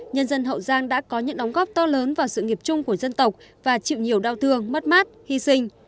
nhân dân hậu giang đã có những đóng góp to lớn vào sự nghiệp chung của dân tộc và chịu nhiều đau thương mất mát hy sinh